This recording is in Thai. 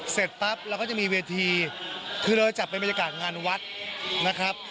เสร็จปั๊บเราก็จะมีเวทีคือเราจัดเป็นบรรยากาศงานวัดนะครับ